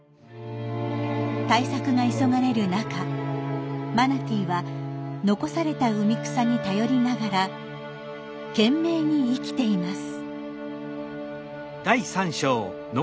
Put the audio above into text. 対策が急がれる中マナティーは残された海草に頼りながら懸命に生きています。